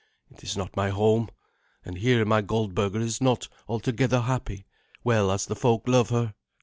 It is not my home; and here my Goldberga is not altogether happy, well as the folk love her."